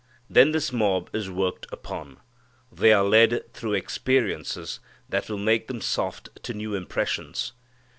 Then this mob is worked upon. They are led through experiences that will make them soft to new impressions.